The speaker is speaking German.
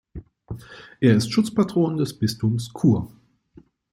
Er ist Schutzpatron des Bistums Chur.